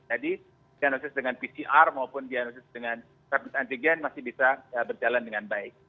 jadi diagnosis dengan pcr maupun diagnosis dengan kermis antigen masih bisa berjalan dengan baik